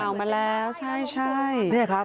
เป็นข่าวมาแล้วใช่